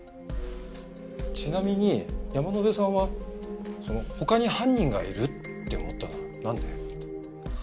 ちなみに山之辺さんは他に犯人がいるって思ったのはなんで？